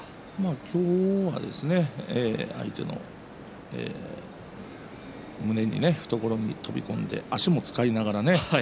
今日は相手の懐に飛び込んで足も使いながらね